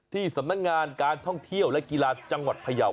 ที่สำนักงานการท่องเที่ยวและกีฬาจังหวัดพยาว